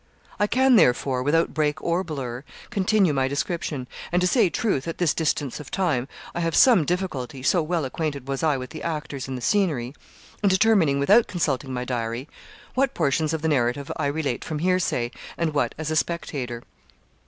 I can, therefore, without break or blur, continue my description; and to say truth, at this distance of time, I have some difficulty so well acquainted was I with the actors and the scenery in determining, without consulting my diary, what portions of the narrative I relate from hearsay, and what as a spectator.